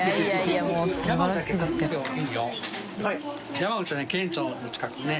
山口のね県庁の近くにね。